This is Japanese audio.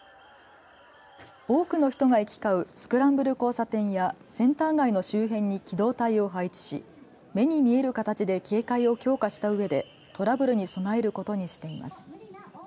多くの人が行き交うスクランブル交差点やセンター街の周辺に機動隊を配置し目に見える形で警戒を強化したうえでトラブルに備えることにしています。